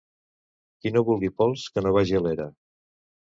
Qui no vulgui pols que no vagi a l'era.